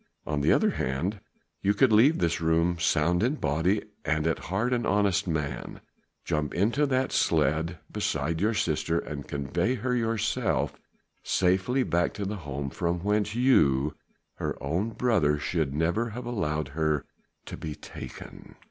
On the other hand you could leave this room sound in body and at heart an honest man, jump into the sledge beside your sister and convey her yourself safely back to the home from whence you her own brother should never have allowed her to be taken."